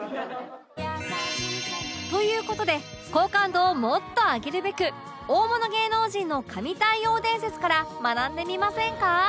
という事で好感度をもっと上げるべく大物芸能人の神対応伝説から学んでみませんか？